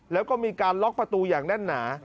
แล้วก็มีการล็อกประตูอย่างแน่นหนา